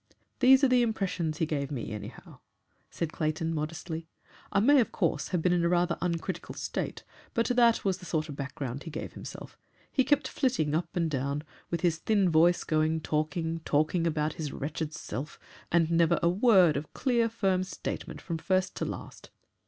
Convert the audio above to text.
"These are the impressions he gave me, anyhow," said Clayton, modestly. "I may, of course, have been in a rather uncritical state, but that was the sort of background he gave to himself. He kept flitting up and down, with his thin voice going talking, talking about his wretched self, and never a word of clear, firm statement from first to last.